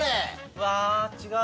うわ違う。